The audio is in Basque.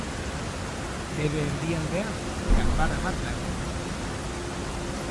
Bere erdialdean, ganbara bat dago.